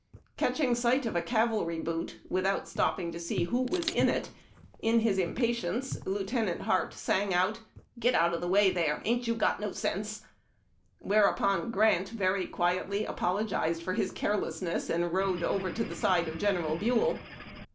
Catching sight of a cav alry boot, without stopping to see who was in it, in his impa tience, Lieutenant Hart sang out :" Git out of the way there ! Ain't you got no sense ?" Whereupon Grant very quietly apologized for his carelessness, and rode over to the side of General Buell.